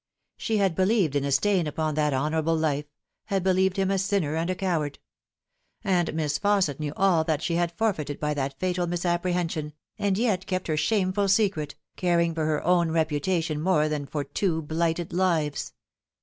She had believed in a stain upon that honourable life had believed him a sinner and a coward. And Miss Fausset knew all that she had forfeited by that fatal misapprehension, and yet kept her shameful secret, caring for her own reputation more than for two blighted lives.